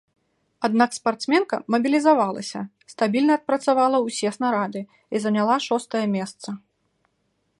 Аднак спартсменка мабілізавалася, стабільна адпрацавала ўсе снарады і заняла шостае месца.